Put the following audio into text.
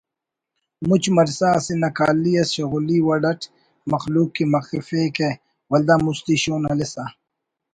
مُچ مرسا اسہ نقالی اس شغلی وڑ اٹ مخلوق ءِ مخفیکہ ولدا مُستی شون ہلیسہ